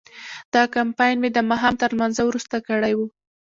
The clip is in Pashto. دا کمپاین مې د ماښام تر لمانځه وروسته کړی و.